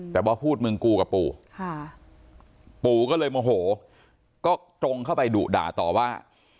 แต่ว่าพูดมึงกูกับปู่ปู่ก็เลยโมโหก็ตรงเข้าไปดุด่าต่อว่า